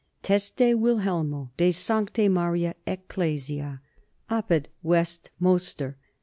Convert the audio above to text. Teste Willelmo de Sancte Marie Ecclesia. Apud West moster.